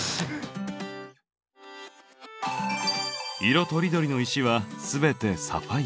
色とりどりの石は全てサファイア。